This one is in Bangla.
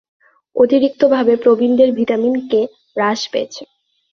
অতিরিক্তভাবে, প্রবীণদের ভিটামিন কে হ্রাস পেয়েছে।